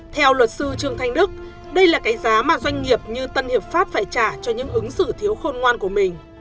theo luật sư trương thanh đức đây là cái giá mà doanh nghiệp như tân hiệp pháp phải trả cho những ứng xử thiếu khôn ngoan của mình